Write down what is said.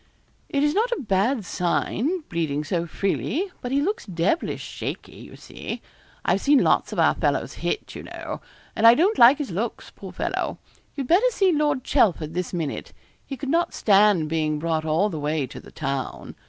'It is not a bad sign, bleeding so freely, but he looks devilish shaky, you see. I've seen lots of our fellows hit, you know, and I don't like his looks poor fellow. You'd better see Lord Chelford this minute. He could not stand being brought all the way to the town.